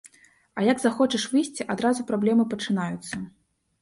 А як захочаш выйсці, адразу праблемы пачынаюцца.